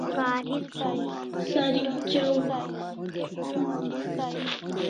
Sarikjaw